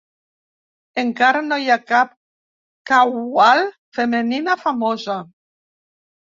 Encara no hi ha cap qawwal femenina famosa.